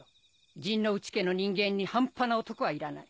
陣内家の人間に半端な男はいらない。